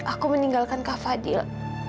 aku meninggalkan kak fadil